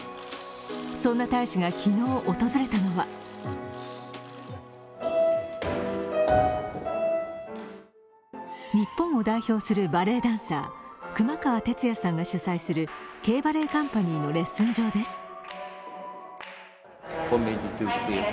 そんな大使が昨日、訪れたのは日本を代表するバレエダンサー・熊川哲也さんが主催するＫバレエカンパニーのレッスン場です。